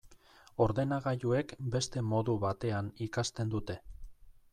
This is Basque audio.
Ordenagailuek beste modu batean ikasten dute.